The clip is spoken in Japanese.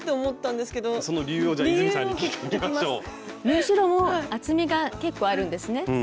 縫い代も厚みが結構あるんですね。